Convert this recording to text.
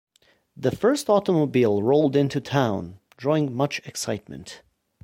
The first automobile rolled into town, drawing much excitement.